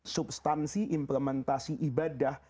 substansi implementasi ibadah